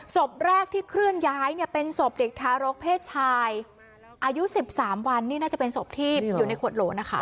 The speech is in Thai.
ศพแรกที่เคลื่อนย้ายเนี่ยเป็นศพเด็กทารกเพศชายอายุ๑๓วันนี่น่าจะเป็นศพที่อยู่ในขวดโหลนะคะ